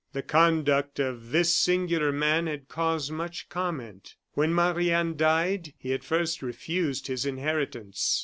The conduct of this singular man had caused much comment. When Marie Anne died, he at first refused his inheritance.